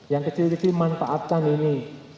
yang kecil kecil manfaatkan ini